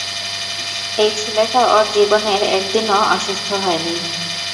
এই ছেলেটা ওর জীবনের একদিনও অসুস্থ হয়নি!